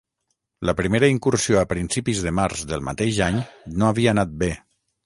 La primera incursió a principis de març del mateix any no havia anat bé.